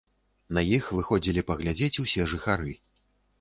На іх выходзілі паглядзець усе жыхары.